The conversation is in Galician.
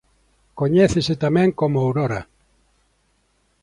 Coñecese tamén como aurora.